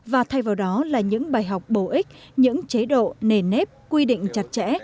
và thay vào đó là những bài học bổ ích những chế độ nền nếp quy định chặt chẽ